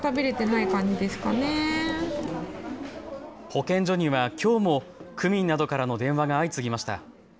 保健所にはきょうも区民などからの電話が相次ぎました。